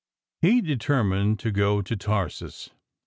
He determined to go to Tarsus.